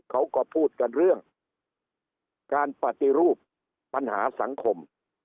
เขาก็พูดกันเรื่องการปฏิรูปปัญหาสังคม